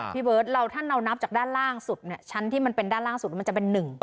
พี่เบิร์ตเราถ้าเรานับจากด้านล่างสุดเนี่ยชั้นที่มันเป็นด้านล่างสุดมันจะเป็น๑